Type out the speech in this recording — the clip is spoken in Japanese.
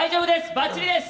ばっちりです。